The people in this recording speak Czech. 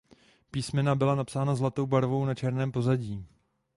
Písmena byla napsaná zlatou barvou na černém pozadí.